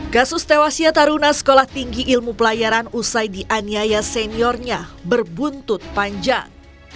kasus tewasnya taruna sekolah tinggi ilmu pelayaran usai dianiaya seniornya berbuntut panjang